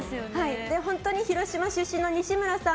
本当に広島出身の西村さん